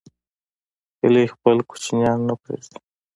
هیلۍ خپل کوچنیان نه پرېږدي